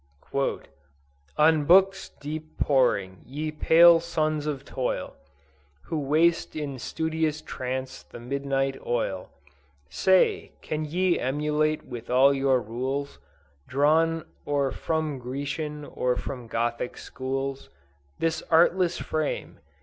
"On books deep poring, ye pale sons of toil, Who waste in studious trance the midnight oil, Say, can ye emulate with all your rules, Drawn or from Grecian or from Gothic schools, This artless frame?